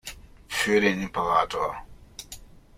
Für den Imperator!